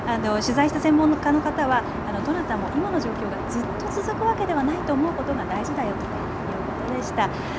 取材した専門家の方は、どなたも今の状況がずっと続くわけではないと思うことが大事だよということでした。